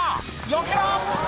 「よけろ！」